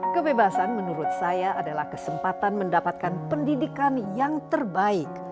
kebebasan menurut saya adalah kesempatan mendapatkan pendidikan yang terbaik